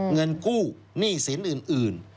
เงินกู้หนี้สินอื่น